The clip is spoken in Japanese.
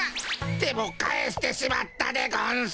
でも返してしまったでゴンス。